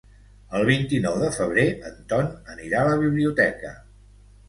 El vint-i-nou de febrer en Ton anirà a la biblioteca.